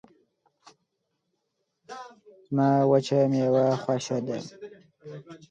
زما وچه میوه خوشه ده